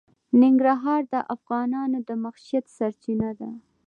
ننګرهار د افغانانو د معیشت سرچینه ده.